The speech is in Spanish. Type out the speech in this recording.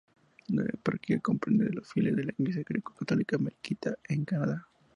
La eparquía comprende a los fieles de la Iglesia greco-católica melquita en Canadá.